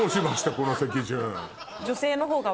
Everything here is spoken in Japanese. この席順。